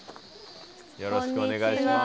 よろしくお願いします。